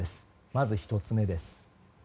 まず１つ目です。